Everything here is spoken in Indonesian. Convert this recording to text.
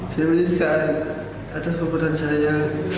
saya mengizkan atas keputusan saya